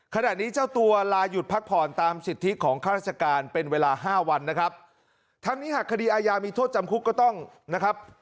ขณะนี้เจ้าตัวลาหยุดพักผ่อนตามสิทธิของข้าราชการเป็นเวลาห้าวันนะครับทั้งนี้หากคดีอายามีโทษจำคุกก็ต้องนะครับ